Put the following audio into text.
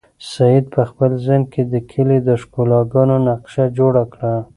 سعید په خپل ذهن کې د کلي د ښکلاګانو نقشه جوړه کړه.